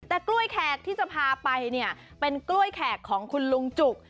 แต่กล้วยแขกที่จะพาไปเนี่ยเป็นกล้วยแขกของคุณลุงจุก